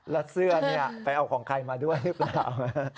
และเสื้อนี่ไปเอาของใครมาด้วยนะครับ